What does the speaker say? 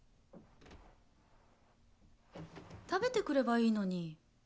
食べてくればいいのに。